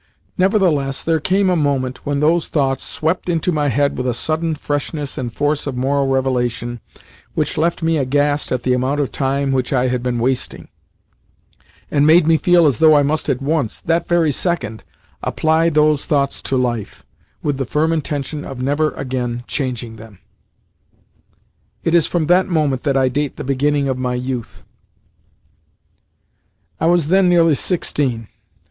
Nevertheless there came a moment when those thoughts swept into my head with a sudden freshness and force of moral revelation which left me aghast at the amount of time which I had been wasting, and made me feel as though I must at once that very second apply those thoughts to life, with the firm intention of never again changing them. It is from that moment that I date the beginning of my youth. I was then nearly sixteen.